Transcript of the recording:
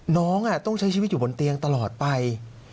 น้องต้องใช้ชีวิตอยู่บนเตียงตลอดไป